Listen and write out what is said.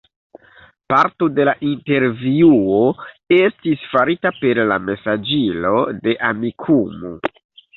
Parto de la intervjuo estis farita per la mesaĝilo de Amikumu.